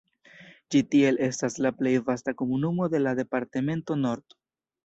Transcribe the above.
Ĝi tiel estas la plej vasta komunumo de la departemento Nord.